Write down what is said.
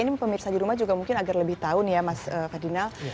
ini pemirsa di rumah juga mungkin agar lebih tahu nih ya mas ferdinal